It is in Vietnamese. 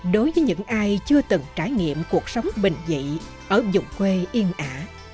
đối với những ai chưa từng trải nghiệm cuộc sống bình dị ở dùng quê yên ả